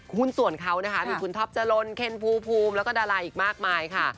หุ้นส่วนเขานะคะมีคุณท็อปจรนเคนภูมิแล้วก็ดาราอีกมากมายค่ะ